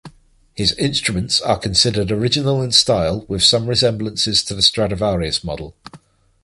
His instruments are considered original in style with some resemblances to the Stradivarius model.